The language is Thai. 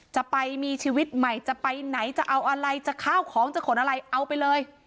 จะไปมีชีวิตใหม่จะไปไหนจะเอาอะไรจะข้าวของจะขนอะไรเอาไปเลย